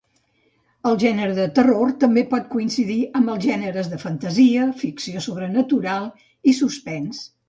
El gènere de terror també pot coincidir amb els gèneres de fantasia, ficció sobrenatural i suspens.